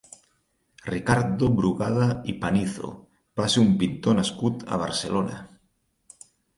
Ricardo Brugada i Panizo va ser un pintor nascut a Barcelona.